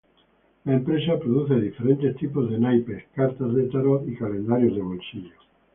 La empresa produce diferentes tipos de naipes, cartas de tarot y calendarios de bolsillo.